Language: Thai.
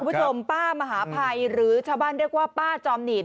คุณผู้ชมป้ามหาภัยหรือชาวบ้านเรียกว่าป้าจอมหนีบ